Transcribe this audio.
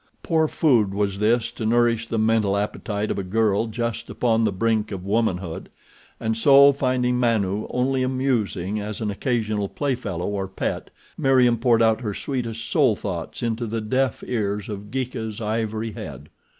Poor food was this to nourish the mental appetite of a girl just upon the brink of womanhood. And so, finding Manu only amusing as an occasional playfellow or pet, Meriem poured out her sweetest soul thoughts into the deaf ears of Geeka's ivory head.